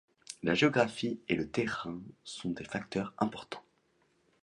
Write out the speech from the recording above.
La géographie et le terrain sont des facteurs importants.